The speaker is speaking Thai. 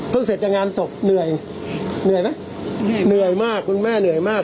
เสร็จจากงานศพเหนื่อยเหนื่อยไหมเหนื่อยมากคุณแม่เหนื่อยมาก